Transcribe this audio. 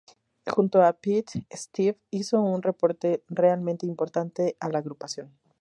Junto a Pete, Steve hizo un aporte realmente importante a la agrupación.